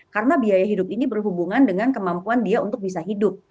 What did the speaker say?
karena biaya hidup ini berhubungan dengan kemampuan dia untuk bisa hidup